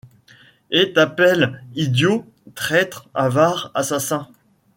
Et t'appelle idiot, traître, avare, assassin